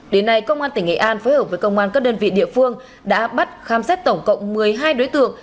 đến nay công an tỉnh nghệ an phối hợp với công an các đơn vị địa phương đã bắt khám xét tổng cộng một mươi hai đối tượng